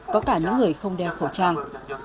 và những người không đeo khẩu trang